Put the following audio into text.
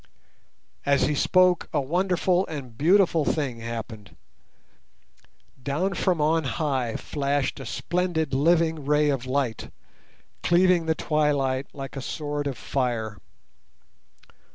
As he spoke a wonderful and a beautiful thing happened. Down from on high flashed a splendid living ray of light, cleaving the twilight like a sword of fire.